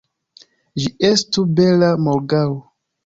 Ĝi estu bela morgaŭ!